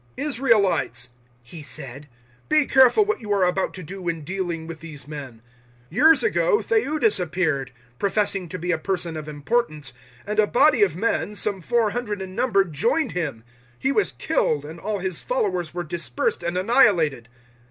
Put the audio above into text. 005:035 "Israelites," he said, "be careful what you are about to do in dealing with these men. 005:036 Years ago Theudas appeared, professing to be a person of importance, and a body of men, some four hundred in number, joined him. He was killed, and all his followers were dispersed and annihilated.